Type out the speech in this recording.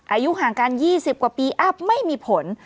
อายุห่างกัน๒๐กว่าปีอัพไม่มีผล